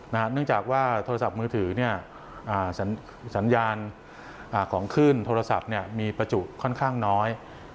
เนื่องจากว่าโทรศัพท์มือถือสัญญาณของขึ้นโทรศัพท์มีประจุค่อนข้างน้อย